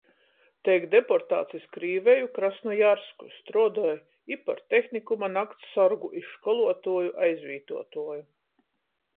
Teik deportāts iz Krīveju, Krasnojarsku, struodoj i par tehnikuma naktssorgu, i školuotuoju aizvītuotuoju,